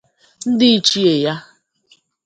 ndị ichie ya